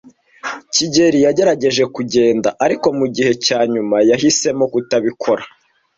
kigeli yageragejwe kugenda, ariko mugihe cyanyuma yahisemo kutabikora.